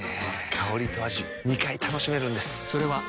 香りと味２回楽しめるんです。